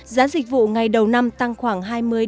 giá dịch vụ ngày đầu năm tăng khoảng hai mươi năm mươi